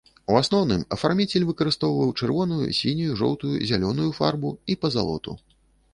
У асноўным, афарміцель выкарыстоўваў чырвоную, сінюю, жоўтую, зялёную фарбу і пазалоту.